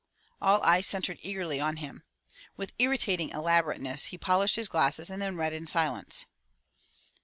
All eyes centered eagerly on him. With irritating elaborateness he polished his glasses and then read in silence.